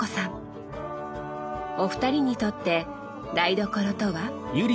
お二人にとって台所とは？